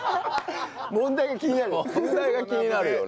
問題が気になるよね。